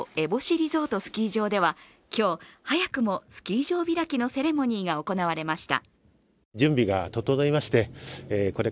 リゾートスキー場では、今日、早くもスキー場開きのセレモニーが行われました。